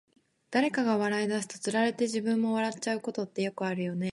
誰かが笑い出すと、つられて自分も笑っちゃうことってよくあるよね。